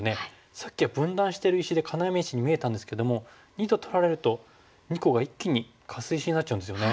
さっきは分断してる石で要石に見えたんですけども②と取られると２個が一気にカス石になっちゃうんですよね。